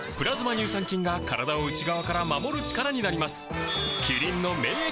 乳酸菌が体を内側から守る力になります